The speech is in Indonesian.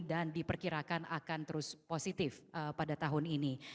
dan diperkirakan akan terus positif pada tahun ini